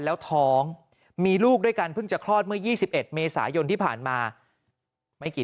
แล้วท้องมีลูกด้วยกันเพิ่งจะคลอดเมื่อ๒๑เมษายนที่ผ่านมาไม่กี่